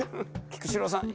菊紫郎さん